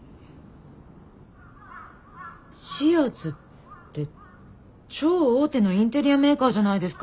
ＳＩＡＺって超大手のインテリアメーカーじゃないですか。